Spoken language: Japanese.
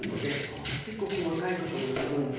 結構細かいことも自分でやって。